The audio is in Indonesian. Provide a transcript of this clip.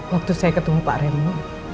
waktu saya ketemu pak reno